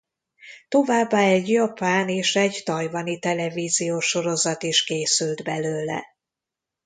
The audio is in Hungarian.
Továbbá egy japán és egy tajvani televíziós sorozat is készült belőle.